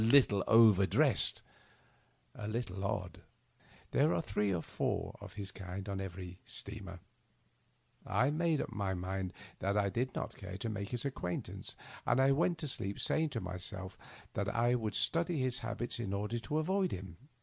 A little over dressed — a little odd. There are three or four of his kind on every ocean steamer. I made up my mind that I did not care to make his acquaintance, and I went to sleep saying to myself that I would study his habits in order to avoid him.